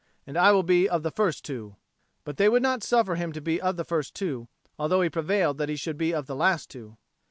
And I will be of the first two." But they would not suffer him to be of the first two, although he prevailed that he should be of the last two.